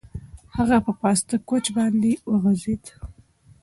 هغه په پاسته کوچ باندې وغځېد.